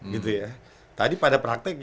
gitu ya tadi pada praktek